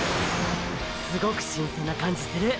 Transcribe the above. すごく新鮮な感じする！！